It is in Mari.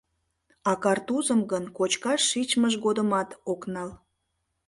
А картузым гын кочкаш шичмыж годымат ок нал.